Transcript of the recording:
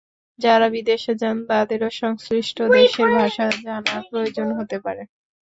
যাঁরা বিদেশে যান তাঁদেরও সংশ্লিষ্ট দেশের ভাষা জানার প্রয়োজন হতে পারে।